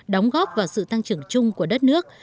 đóng góp vào sự tăng trưởng chung của đất nước